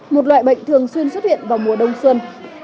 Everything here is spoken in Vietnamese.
một loại bệnh thường xuyên xuất hiện vào mùa đông xuân